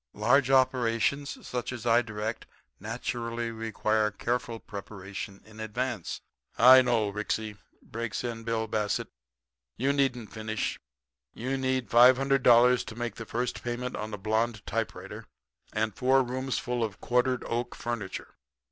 Large operations, such as I direct, naturally require careful preparation in advance. I ' "'I know, Ricksy,' breaks in Bill Bassett. 'You needn't finish. You need $500 to make the first payment on a blond typewriter, and four roomsful of quartered oak furniture.